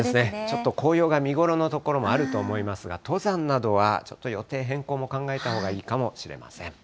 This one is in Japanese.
ちょっと紅葉が見頃の所もあると思いますが、登山などはちょっと予定変更も考えたほうがいいかもしれません。